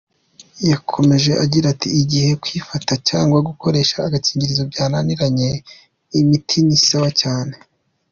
Yakomeje agira ati “Igihe kwifata cyangwa gukoresha agakingirizo byananiranye imiti ni sawa cyane.